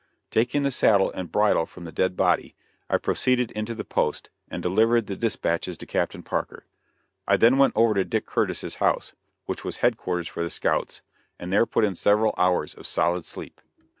Taking the saddle and bridle from the dead body, I proceeded into the post and delivered the dispatches to Captain Parker. I then went over to Dick Curtis' house, which was headquarters for the scouts, and there put in several hours of solid sleep.